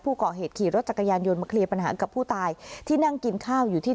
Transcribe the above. ก่อเหตุขี่รถจักรยานยนต์มาเคลียร์ปัญหากับผู้ตายที่นั่งกินข้าวอยู่ที่